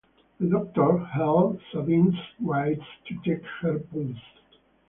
The doctor held Sabine's wrist to take her pulse.